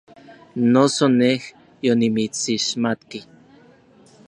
Noso nej yonimitsixmatki.